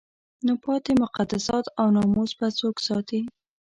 نو پاتې مقدسات او ناموس به څوک ساتي؟